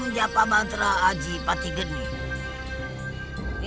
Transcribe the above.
siapa yang berani mengganggu